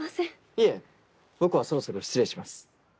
いえ僕はそろそろ失礼します。